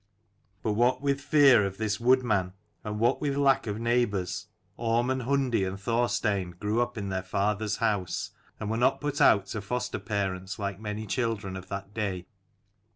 But what with fear of this wood man, and what with lack of neighbours, Orm and Hundi and Thorstein grew up in their father's house, and were not put out to foster parents like many children of that day.